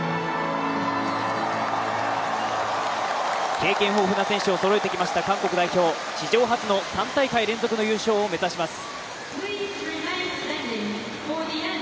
経験豊富な選手をそろえてきました韓国代表史上初の３大会連続の優勝を目指します。